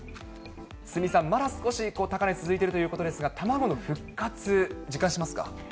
鷲見さん、まだ少し高値続いているということですが、卵の復活、実感しますか？